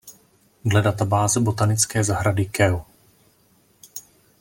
Dle databáze botanické zahrady Kew.